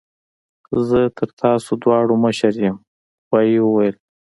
زه تر تاسو دواړو مشر یم غوايي وویل.